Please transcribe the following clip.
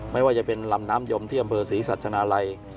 ไม่ว่าจะเป็นลำน้ำยมที่อำเภอศรีสัชนาลัย